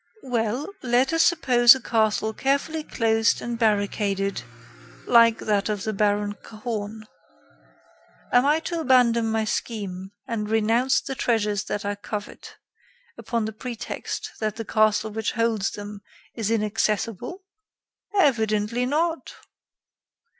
"Well, let us suppose a castle carefully closed and barricaded like that of the Baron Cahorn. Am I to abandon my scheme and renounce the treasures that I covet, upon the pretext that the castle which holds them is inaccessible?" "Evidently not."